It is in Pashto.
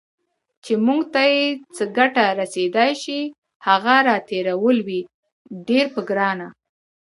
چې موږ ته یې څه ګټه رسېدای شي، هغه راتېرول وي ډیر په ګرانه